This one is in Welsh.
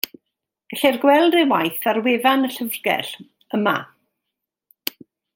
Gellir gweld ei waith ar wefan y Llyfrgell, yma.